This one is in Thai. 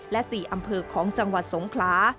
และ๔อำเภอของจังหวัดสงขลา